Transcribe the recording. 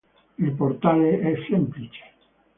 Il portale è semplice.